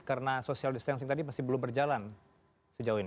karena social distancing tadi masih belum berjalan sejauh ini